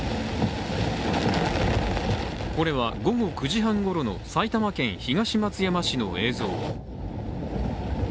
これは午後９時半ごろの埼玉県東松山市の映像。